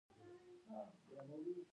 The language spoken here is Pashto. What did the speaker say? سپورټ ولې بدن جوړوي؟